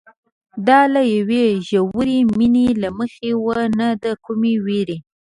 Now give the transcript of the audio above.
دا له یوې ژورې مینې له مخې وه نه د کومې وېرې.